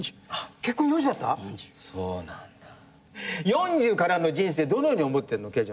４０からの人生どのように思ってんの惠ちゃんは。